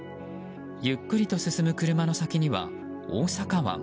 ゆっくりと進む車の先には大阪湾。